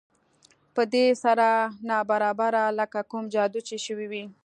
په دې سره ناببره لکه کوم جادو چې شوی وي